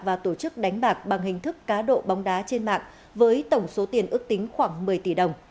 và tổ chức đánh bạc bằng hình thức cá độ bóng đá trên mạng với tổng số tiền ước tính khoảng một mươi tỷ đồng